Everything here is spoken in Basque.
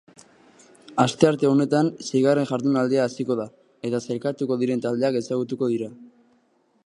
Astearte honetan seigarren jardunaldia hasiko da eta sailkatuko diren taldeak ezagutuko dira.